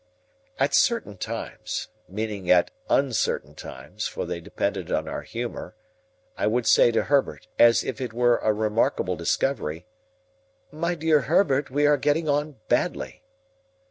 At certain times—meaning at uncertain times, for they depended on our humour—I would say to Herbert, as if it were a remarkable discovery,— "My dear Herbert, we are getting on badly."